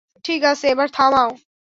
ঠিক আছে, এবার থামাও।